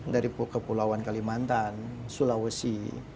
dari kepulauan kalimantan sulawesi